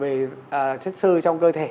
về chất sư trong cơ thể